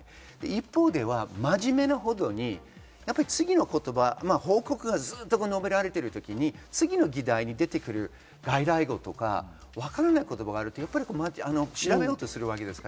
一方では真面目なほどに次の言葉、報告はずっと述べられている時に次の議題に出てくる外来語とか、わからない言葉があると調べようとするわけです。